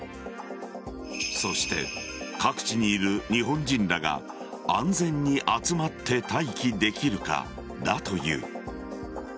そして、各地にいる日本人らが安全に集まって待機できるかだという。